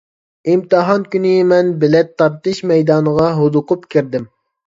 ئىمتىھان كۈنى مەن بىلەت تارتىش مەيدانىغا ھودۇقۇپ كىردىم.